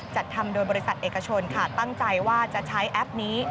จัดทำโดยบริษัทเอกชนค่ะตั้งใจว่าจะใช้แอปนี้